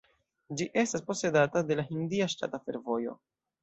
Ĝi estas posedata de la Hindia ŝtata fervojo.